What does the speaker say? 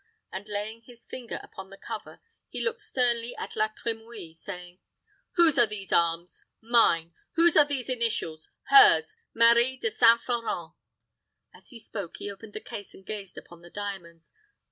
and, laying his finger upon the cover, he looked sternly at La Trimouille, saying, "Whose are these arms? Mine! Whose are these initials? Hers Marie de St. Florent!" As he spoke, he opened the case and gazed upon the diamonds.